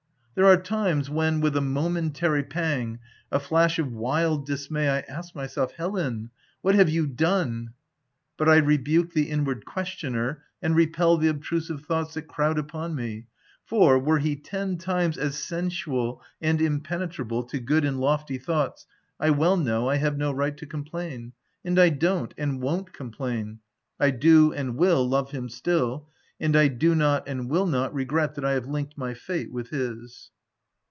There are times when, with a momentary pang — a flash of wild dismay, I ask myself, " Helen, what have you done?" But I rebuke the inward questioner, and repel the obtrusive thoughts that crowd upon me ; for, were he ten times as sensual and impenetrable to good and lofty thoughts, I well know I have no right to complain. And I don't and won't complain. I do and will love him still ; and I do not and will not regret that I have linked my fate with his.